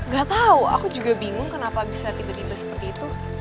gak tahu aku juga bingung kenapa bisa tiba tiba seperti itu